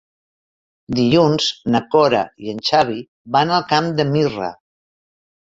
Dilluns na Cora i en Xavi van al Camp de Mirra.